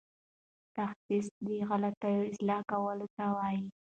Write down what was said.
تصحیح د غلطیو اصلاح کولو ته وايي.